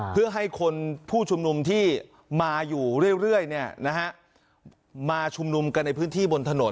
เพื่อให้คนผู้ชุมนุมที่มาอยู่เรื่อยมาชุมนุมกันในพื้นที่บนถนน